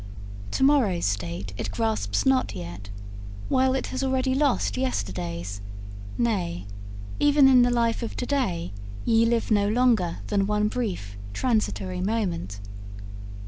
To morrow's state it grasps not yet, while it has already lost yesterday's; nay, even in the life of to day ye live no longer than one brief transitory moment.